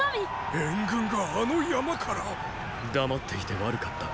援軍があの山から⁉黙っていて悪かった。